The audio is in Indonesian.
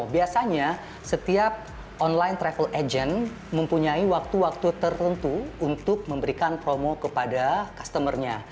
biasanya setiap online travel agent mempunyai waktu waktu tertentu untuk memberikan promo kepada customer nya